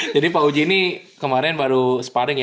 jadi pa uji ini kemarin baru separing ya